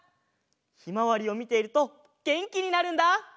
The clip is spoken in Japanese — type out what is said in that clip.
ひまわりをみているとげんきになるんだ！